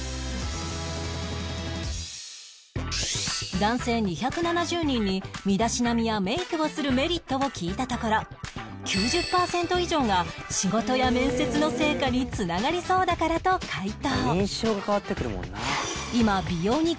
男性２７０人に身だしなみやメイクをするメリットを聞いたところ９０パーセント以上が仕事や面接の成果につながりそうだからと回答